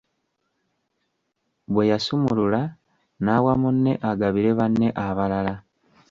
Bwe yasumulula, n'awa munne agabire banne abalala.